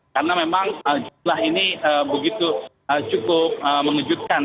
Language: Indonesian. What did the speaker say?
karena memang jumlah ini begitu cukup mengejutkan